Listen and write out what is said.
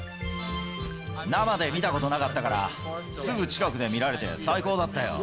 生で見たことなかったから、すぐ近くで見られて最高だったよ。